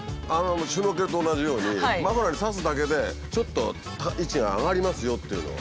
シュノーケルと同じようにマフラーに挿すだけでちょっと位置が上がりますよっていうのを。